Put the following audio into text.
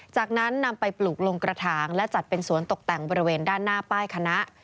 จากนั้นนำไปปลูกลงกระถางและจัดเป็นสวนตกแต่งบริเวณด้านหน้าป้ายคณะ